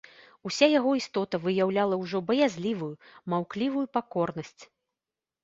Уся яго істота выяўляла ўжо баязлівую, маўклівую пакорнасць.